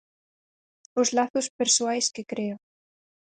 Os lazos persoais que crea.